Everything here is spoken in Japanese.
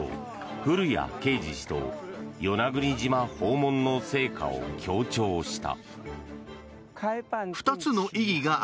古屋圭司氏と与那国島訪問の成果を強調した。